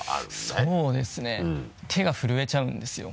そうですね手が震えちゃうんですよ。